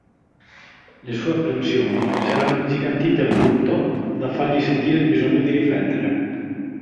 Le sue apprensioni s'erano ingigantite al punto, da fargli sentire il bisogno di riflettere.